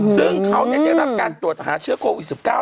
ซึ่งเขาเนี่ยได้รับการตรวจอาหารเชื้อโควิด๑๙เนี่ย